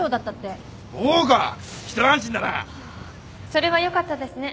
それはよかったですね。